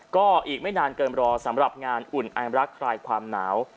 ก็อีกไม่นานเกินรอสำหรับงานอุ่นไอรักคลายความหนาว